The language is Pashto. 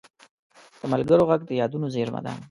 د ملګرو غږ د یادونو زېرمه ده